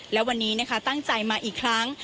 และวันนี้นะคะตั้งใจมาอีกครั้ง